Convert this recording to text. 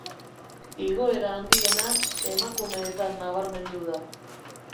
Igoera handiena, emakumeetan nabarmendu da.